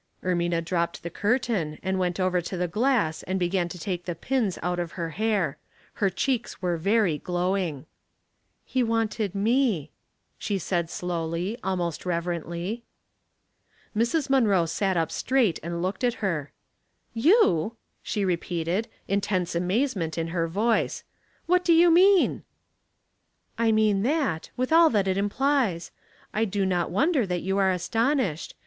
Ermina dropped the curtain, and went over to the glass and began to take the pins out of her hair. Her cheeks were very glowing. ''He wanted me," she said, slowly, almost reverentlv. Storm and '' 3Ioonshine,'* 357 Mrs. Munroe sat up straight and looked at her, "You!" she repeated, intense amazemen'o in her voice. " What do you mean ?"" I moan that, with all that it implies. I do not wonder that you are astonished.